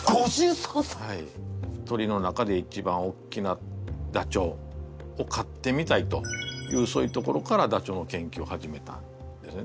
鳥の中で一番おっきなダチョウを飼ってみたいというそういうところからダチョウの研究を始めたんですね。